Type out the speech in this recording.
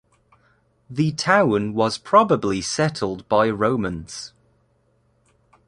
The town was probably settled by Romans.